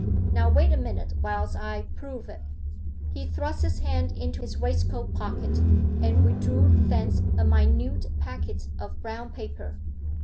Now wait a minute whilst I prove it.' He thrust his hand into his waistcoat pocket, and withdrew thence a minute packet of brown paper.